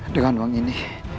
dengan uang ini